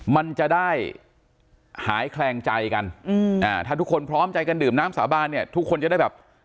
มันจะได้หายแคลงใจกันถ้าทุกคนพร้อมใจกันดื่มน้ำสาบานเนี่ยทุกคนจะได้แบบ